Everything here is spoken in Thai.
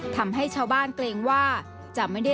ทำให้ชาวบ้านเกรงว่าที่มันไม่มีแรงได้